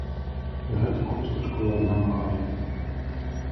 І гэтак хустачкаю адна махае.